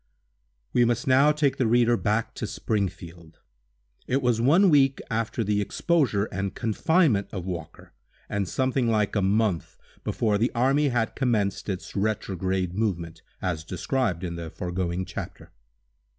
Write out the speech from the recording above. _ WE must now take the reader back to Springfield. It was one week after the exposure and confinement of Walker, and something like a month before the army had commenced its retrograde movement, as described in the foregoing chapter.